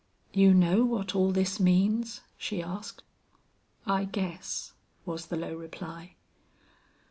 "You know what all this means?" she asked. "I guess," was the low reply.